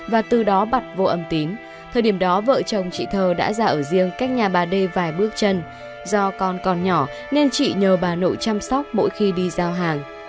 và từ đó bật vô âm tín thời điểm đó vợ chồng chị thơ đã ra ở riêng cách nhà bà d vài bước chân do con còn nhỏ nên chị nhờ bà nội chăm sóc mỗi khi đi giao hàng